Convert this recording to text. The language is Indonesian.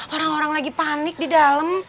orang orang lagi panik di dalam